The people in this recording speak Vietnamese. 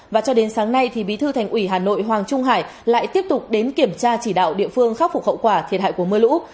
và cho đến sáng nay bí thư thành ủy hà nội hoàng trung hải lại tiếp tục đến kiểm tra chỉ đạo địa phương khắc phục hậu quả thiệt hại của mưa lũ